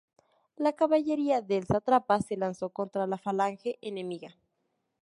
La caballería del sátrapa se lanzó contra la falange enemiga.